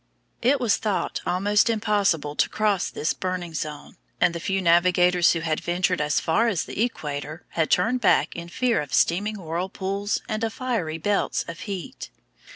It was thought almost impossible to cross this burning zone, and the few navigators who had ventured as far as the equator had turned back in fear of steaming whirlpools and of fiery belts of heat.